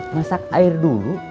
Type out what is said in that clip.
masak air dulu